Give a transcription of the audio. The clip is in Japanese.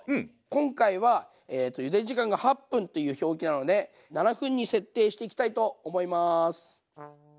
今回はゆで時間が８分という表記なので７分に設定していきたいと思います。